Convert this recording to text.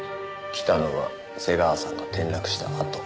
来たのは瀬川さんが転落したあと。